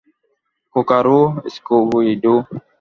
কুকা-রু, Scooby-Doo.